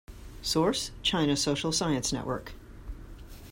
"Source: China Social Science Network"